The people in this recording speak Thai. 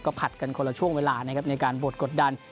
ผัดกันคนละช่วงเวลานะครับในการบดกดดัน